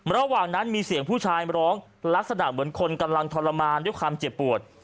ระหว่างนั้นมีเสียงผู้ชายร้องลักษณะเหมือนคนกำลังทรมานด้วยความเจ็บปวด